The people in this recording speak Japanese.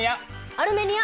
アルメニア。